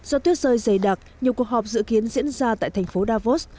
do tuyết rơi dày đặc nhiều cuộc họp dự kiến diễn ra tại thành phố davos